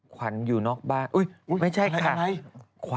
ขวัญอยู่นอกบ้านไม่ใช่ใคร